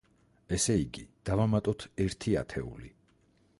ესე იგი, დავამატოთ ერთი ათეული.